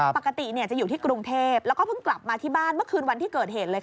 ปกติจะอยู่ที่กรุงเทพแล้วก็เพิ่งกลับมาที่บ้านเมื่อคืนวันที่เกิดเหตุเลยค่ะ